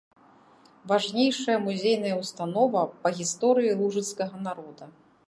Важнейшая музейная ўстанова па гісторыі лужыцкага народа.